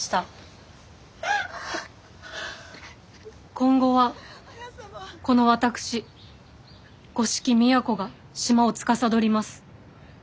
今後はこの私五色都が島をつかさどります。